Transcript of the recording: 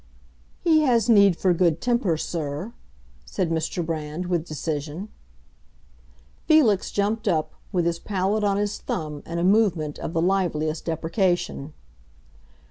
"He has need for good temper, sir," said Mr. Brand, with decision. Felix jumped up, with his palette on his thumb and a movement of the liveliest deprecation.